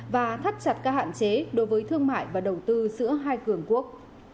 và thắt chặt các hạn chế đối với thương mại và đầu tư giữa hai cường quốc